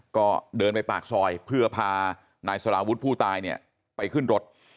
ก็เดินไปปากซอยเพื่อพานายสลาวุฒิผู้ตายเนี่ยไปขึ้นรถ